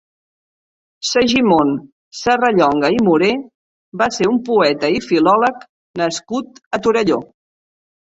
Segimon Serrallonga i Morer va ser un poeta i filòleg s nascut a Torelló.